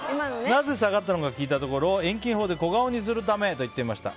なぜ下がったのか聞いたところ遠近法で小顔にするためと言っていました。